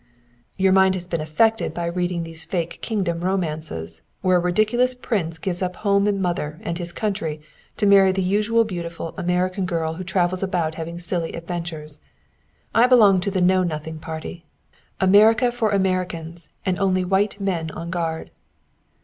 "Your mind has been affected by reading these fake kingdom romances, where a ridiculous prince gives up home and mother and his country to marry the usual beautiful American girl who travels about having silly adventures. I belong to the Know nothing Party America for Americans and only white men on guard!"